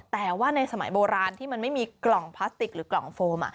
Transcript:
แต่ว่าในสมัยโบราณที่มันไม่มีกล่องพลาสติกหรือกล่องโฟม